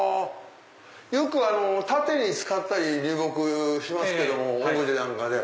よく縦に使ったり流木しますけどもオブジェなんかで。